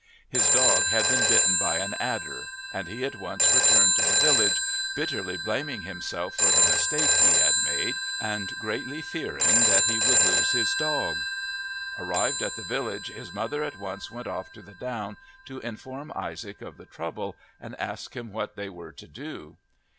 His dog had been bitten by an adder, and he at once returned to the village, bitterly blaming himself for the mistake he had made and greatly fearing that he would lose his dog. Arrived at the village his mother at once went off to the down to inform Isaac of the trouble and ask him what they were to do.